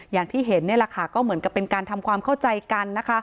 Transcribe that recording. อย่างที่เห็นก็เหมือนกับเป็นการทำความเข้าใจกัน